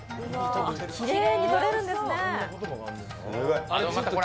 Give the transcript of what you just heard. きれいにとれるんですね。